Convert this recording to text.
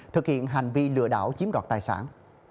thực hiện hành vi lừa đảo chiếm đoạt tài sản